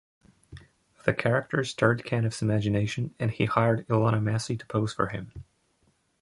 The character stirred Caniff's imagination, and he hired Ilona Massey to pose for him.